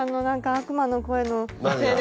悪魔の声のせいで。